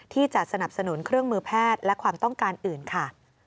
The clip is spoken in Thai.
สนับสนุนเครื่องมือแพทย์และความต้องการอื่นค่ะ